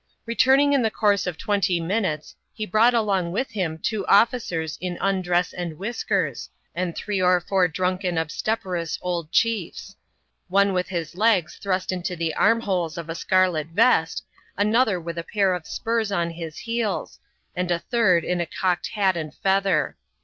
Returning in the course of twenty minutes, he brought along with him two officers in imdress and whiskers, and three or four drunken obstreperous old chiefs ; one with his legs thrust into the armholes of a scarlet vest, another with a pair of spurs on his heels, and a third in a cocked hat and feather.